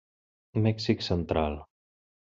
Mèxic central.